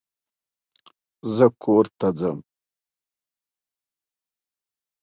The magazine was issued approximately quarterly after that time.